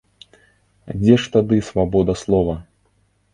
Дзе ж тады свабода слова?